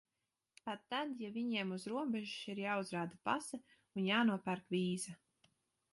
Pat tad, ja viņiem uz robežas ir jāuzrāda pase un jānopērk vīza.